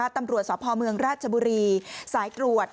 ตำรวจสพเมืองราชบุรีสายตรวจ